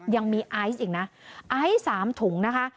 ยังมีไอซ์อีกนะไอซ์๓ถุงนะคะ